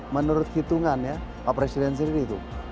menurut hitungannya pak presiden sendiri itu